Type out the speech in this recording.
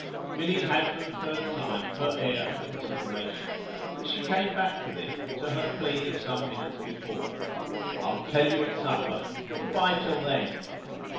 Milly had for the third time her air of consideration; but she came back with it to her plea of some minutes before. "I'll tell you at supper good bye till then."